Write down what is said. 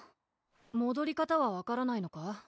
もどり方は分からないのか？